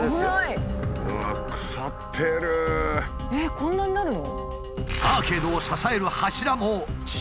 こんなになるの？